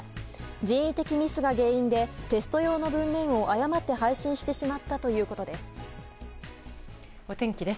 人為的ミスが原因でテスト用の文面を誤って配信してしまったということです。